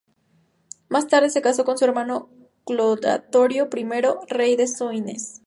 Más tarde se casó con su hermano, Clotario I, rey de Soissons.